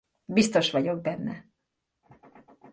Biztos vagyok benne.